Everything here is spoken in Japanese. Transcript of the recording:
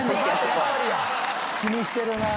気にしてるなあ。